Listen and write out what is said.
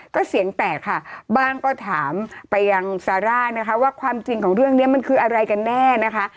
ก็เสียงแตกค่ะบ้างก็ถามไปยังซาร่านะคะว่าความจริงของเรื่องนี้มันคืออะไรกันแน่นะคะ